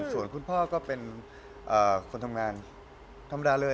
ส่วนคุณพ่อก็เป็นคนทำงานธรรมดาเลย